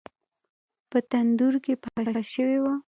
په تندور کې پخه شوې وه.